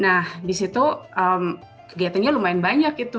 nah di situ kegiatannya lumayan banyak gitu